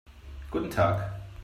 Guten Tag.